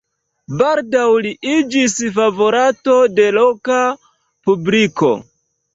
Baldaŭ li iĝis favorato de loka publiko.